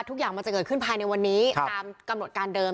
ทุกอย่างมันจะเกิดขึ้นภายในวันนี้ตามกำหนดการเดิม